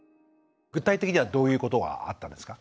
具体的にはどういうことがあったんですか？